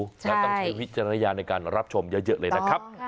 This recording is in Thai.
แล้วต้องใช้วิจารณญาณในการรับชมเยอะเลยนะครับ